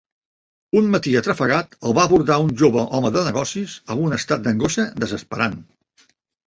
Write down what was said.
Un matí atrafegat el va abordar un jove home de negocis amb un estat d'angoixa desesperant.